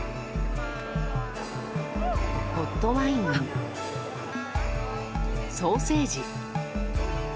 ホットワインにソーセージ。